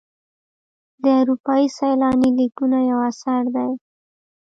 د اروپایي سیلاني لیکونه یو اثر دی.